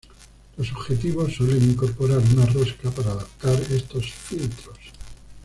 Los objetivos suelen incorporar una rosca para adaptar estos filtros.